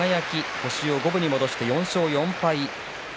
星を五分に戻して４勝４敗です。